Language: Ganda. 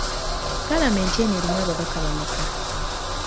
Paalamenti eno erimu ababaka bameka?